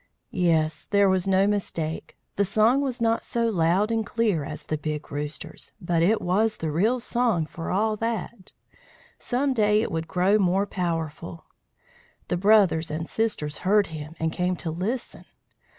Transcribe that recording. Yes, there was no mistake. The song was not so loud and clear as the Big Rooster's, but it was the real song for all that. Some day it would grow more powerful. The brothers and sisters heard him, and came to listen.